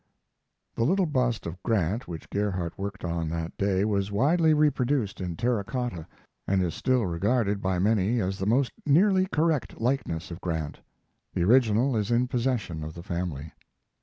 The little bust of Grant which Gerhardt worked on that day was widely reproduced in terra cotta, and is still regarded by many as the most nearly correct likeness of Grant. The original is in possession of the family.